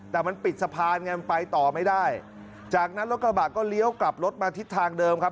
แต่มันปิดสะพานไงมันไปต่อไม่ได้จากนั้นรถกระบะก็เลี้ยวกลับรถมาทิศทางเดิมครับ